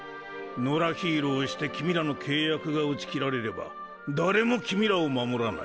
野良ヒーローをして君らの契約が打ち切られれば誰も君らを守らない。